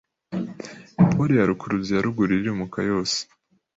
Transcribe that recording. pole ya rukuruzi ya ruguru irimuka yose